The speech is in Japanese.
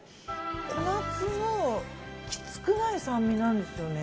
小夏のきつくない酸味なんですよね。